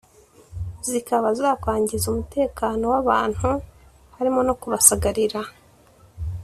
zikaba zakwangiza umutekano w’abantu harimo no kubasagarira